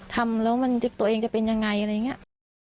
ทำแล้วตัวเองจะเป็นยังไงอะไรอย่างนี้